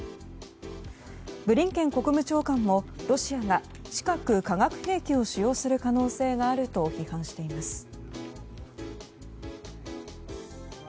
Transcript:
ブリンケン国務長官もロシアが近く化学兵器を使用する可能性があると批判しています。